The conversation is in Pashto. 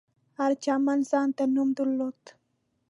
هر چمن ځانته نوم درلود.